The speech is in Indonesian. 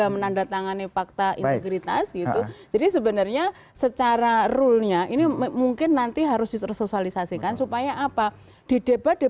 maksudnya mereka harus mengerti